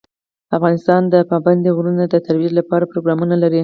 افغانستان د پابندی غرونه د ترویج لپاره پروګرامونه لري.